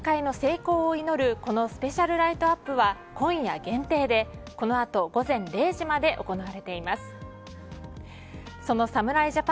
侍ジャパンの健闘と大会の成功を祈るこのスペシャルライトアップは今夜限定でこの後午前零時まで行われています。